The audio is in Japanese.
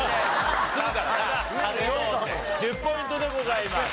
１０ポイントでございます。